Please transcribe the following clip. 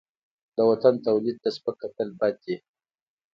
د وطن تولید ته سپک کتل بد دي.